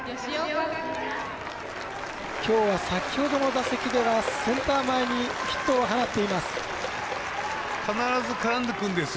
きょうは先ほどの打席ではセンター前にヒットを放っています。